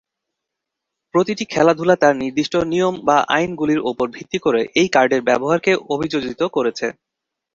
প্রতিটি খেলাধুলা তার নির্দিষ্ট নিয়ম বা আইনগুলির ওপর ভিত্তি করে এই কার্ডের ব্যবহারকে অভিযোজিত করেছে।